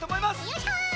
よいしょ！